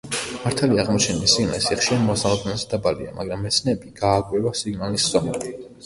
მართალია, აღმოჩენილი სიგნალის სიხშირე მოსალოდნელზე დაბალია, მაგრამ მეცნიერები გააკვირვა სიგნალის ზომამ.